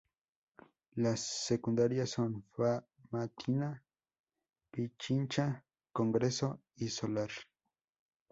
Las secundarias son: Famatina, Pichincha, Congreso, y Solari.